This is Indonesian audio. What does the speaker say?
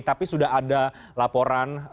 tapi sudah ada laporan